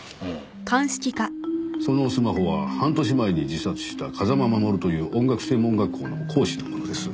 そのスマホは半年前に自殺した風間守という音楽専門学校の講師のものです。